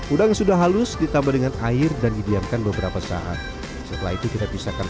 udang yang sudah halus ditambah dengan air dan didiamkan beberapa saat setelah itu kita pisahkan